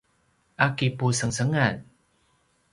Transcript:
a kipusengsengan